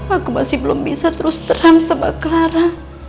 aku masih belum bisa terus terang sama clara